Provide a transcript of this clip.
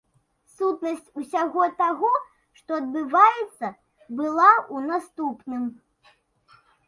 Сутнасць усяго таго, што адбываецца была ў наступным.